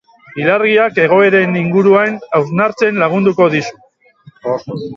Ilargiak egoeren inguruan hausnartzen lagunduko dizu.